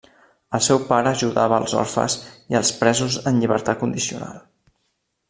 El seu pare ajudava els orfes i els presos en llibertat condicional.